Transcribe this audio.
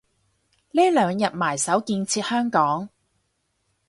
呢兩日埋首建設香港